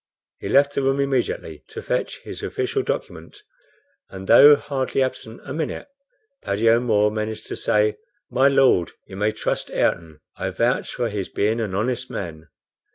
He left the room immediately to fetch his official document, and, though hardly absent a minute, Paddy O'Moore managed to say, "My Lord, you may trust Ayrton; I vouch for his being an honest man.